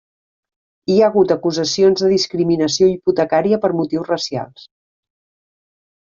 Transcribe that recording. Hi ha hagut acusacions de discriminació hipotecària per motius racials.